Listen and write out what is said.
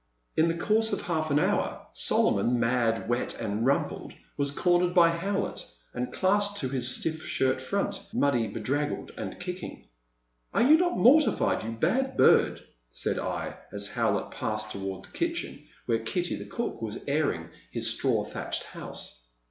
In the course of half an hour Solomon, mad, wet, and rumpled was cornered by Howlett and clasped to his stiffshirt front, muddy, bedraggled, and kicking. "Are you not mortified, you bad bird ?" said I, as Howlett passed toward the kitchen where Kitty the cook was airing his straw thatched house.